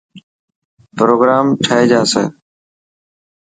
پروگرام ٺهي جاسي.